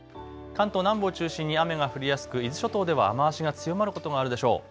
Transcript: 関東南部を中心に雨が降りやすく伊豆諸島では雨足が強まることもあるでしょう。